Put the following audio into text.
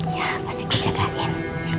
ya pasti gua jagain